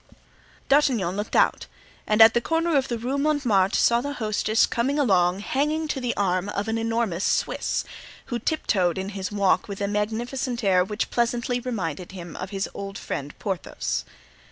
D'Artagnan looked out and at the corner of Rue Montmartre saw the hostess coming along hanging to the arm of an enormous Swiss, who tiptoed in his walk with a magnificent air which pleasantly reminded him of his old friend Porthos.